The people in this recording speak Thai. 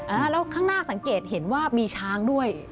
แล้วข้างหน้าสังเกตเห็นว่ามีช้างด้วย